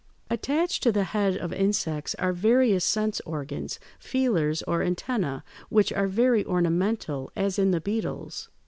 Attached to the head of insects are various sense organs, feelers, or antennæ, which are very ornamental, as in the beetles.